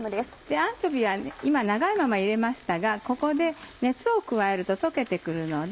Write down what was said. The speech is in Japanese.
アンチョビーは今長いまま入れましたがここで熱を加えると溶けて来るので。